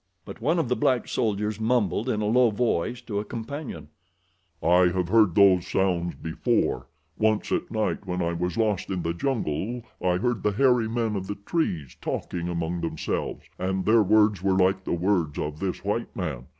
But one of the black soldiers mumbled in a low voice to a companion: "I have heard those sounds before—once at night when I was lost in the jungle, I heard the hairy men of the trees talking among themselves, and their words were like the words of this white man.